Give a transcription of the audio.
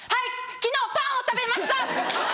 昨日パンを食べました！